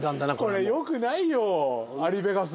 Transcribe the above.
これよくないよ「アリベガス」。